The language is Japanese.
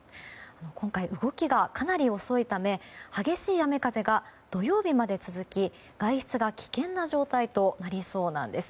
今回、動きがかなり遅いため激しい雨風が土曜日まで続き外出が危険な状態となりそうなんです。